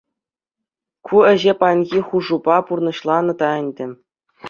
Ку ӗҫе паянхи хушупа пурнӑҫланӑ та ӗнтӗ.